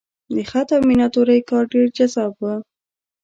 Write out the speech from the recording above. د خط او میناتورۍ کار ډېر جذاب و.